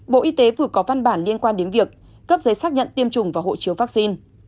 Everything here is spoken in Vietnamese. bộ y tế vừa có văn bản liên quan đến việc cấp giấy xác nhận tiêm chủng và hộ chiếu vaccine